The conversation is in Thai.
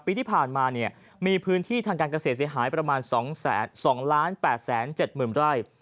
ปีที่ผ่านมามีพื้นที่ทางการเกษตรเสียหายประมาณ๒๘๗๐๐ไร่